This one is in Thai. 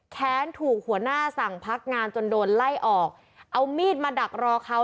แค้นถูกหัวหน้าสั่งพักงานจนโดนไล่ออกเอามีดมาดักรอเขา